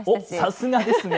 さすがですね。